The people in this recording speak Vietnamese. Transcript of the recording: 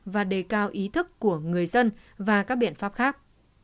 và đề cao ý thức của người dân và các biện pháp khác